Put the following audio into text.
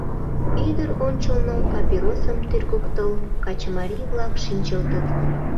Ӱдыр ончылно, папиросым тӱргыктыл, качымарий-влак шинчылтыт.